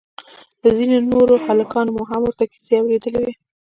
له ځينو نورو هلکانو مو هم ورته کيسې اورېدلې وې.